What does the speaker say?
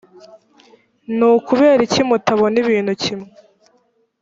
ni ukubera iki mutabona ibintu kimwe